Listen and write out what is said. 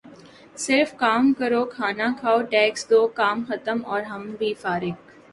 صرف کام کرو کھانا کھاؤ ٹیکس دو کام ختم اور ہم بھی فارخ